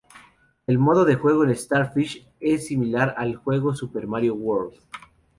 El modo de juego en Starfish es similar al juego Super Mario World.